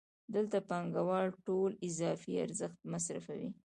دلته پانګوال ټول اضافي ارزښت مصرفوي